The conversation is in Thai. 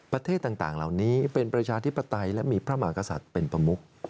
ประเทศต่างเหล่านี้เป็นประชาธิปไตยและมีพระมากษัตริย์เป็นประมุก